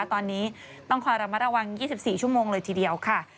ตอนนี้ต้องคอยระมัดระวัง๒๔ชั่วโมงเลยทีเดียวค่ะ